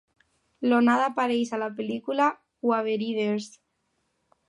L'onada apareix a la pel·lícula "Waveriders".